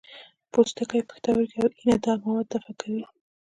پوستکی، پښتورګي او ینه دا مواد دفع کوي.